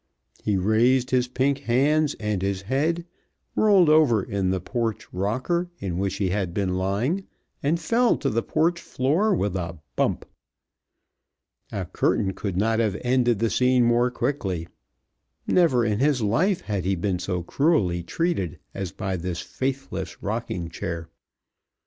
He raised his pink hands and his head, rolled over in the porch rocker in which he had been lying, and fell to the porch floor with a bump. A curtain could not have ended the scene more quickly. Never in his life had he been so cruelly treated as by this faithless rocking chair.